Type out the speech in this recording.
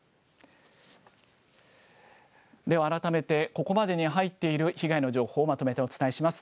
では、改めてここまでに入っている被害の情報をまとめてお伝えします。